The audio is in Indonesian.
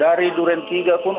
dari durian tiga pun